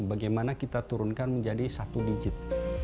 bagaimana kita turunkan menjadi satu digit